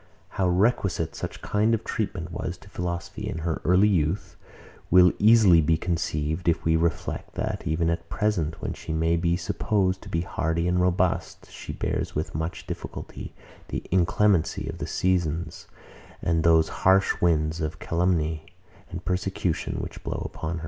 How requisite such kind of treatment was to philosophy, in her early youth, will easily be conceived, if we reflect, that, even at present, when she may be supposed more hardy and robust, she bears with much difficulty the inclemency of the seasons, and those harsh winds of calumny and persecution, which blow upon her.